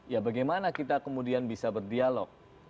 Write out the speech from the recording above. ya bagaimana kita kemudian bisa berdialog